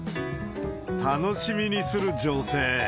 楽しみにする女性。